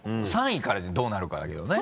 ３位からどうなるかだけどね？